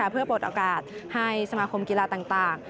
เพื่อปลดโอกาสให้สมาคมกีฬาต่าง